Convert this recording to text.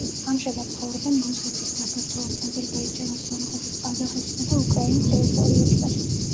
ამჟამად ცხოვრობენ რუსეთის, საქართველოს, აზერბაიჯანის, სომხეთის, ყაზახეთისა და უკრაინის ტერიტორიებზე.